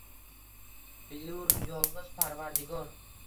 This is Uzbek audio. Bilur yolg’iz parvardigor —